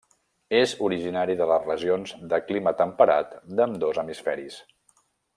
És originari de les regions de clima temperat d'ambdós hemisferis.